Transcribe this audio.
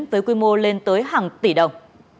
với quy mô lên tới hàng tỷ đồng